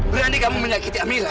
berani kamu menyakiti amira